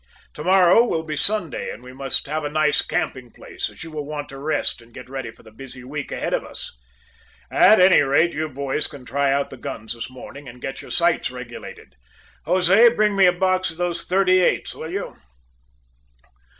To morrow will be Sunday, and we must have a nice camping place, as you will want to rest and get ready for the busy week ahead of us. At any rate, you boys can try out the guns this morning and get the sights regulated. Jose bring me a box of those thirty eights, will you?"